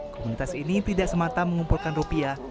komunitas ini tidak semata mengumpulkan rupiah